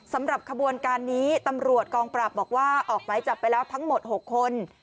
สำหรับขบวนการนี้ตำรวจกองปราบบอกว่าออกหมายจับไปแล้วทั้งหมด๖คน